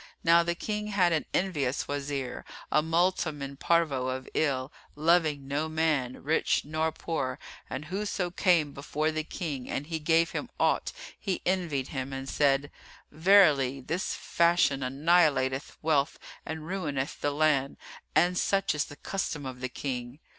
Now the King had an envious Wazir, a multum in parvo of ill, loving no man, rich nor poor, and whoso came before the King and he gave him aught he envied him and said, "Verily, this fashion annihilateth wealth and ruineth the land; and such is the custom of the King."